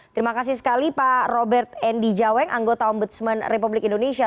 terima kasih sekali pak robert endi jaweng anggota ombudsman republik indonesia